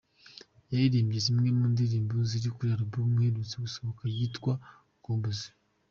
Yaririmbye zimwe mu ndirimbo ziri kuri album aherutse gusohora yitwa Urukumbuzi’.